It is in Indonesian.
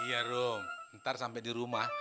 iya dong ntar sampai di rumah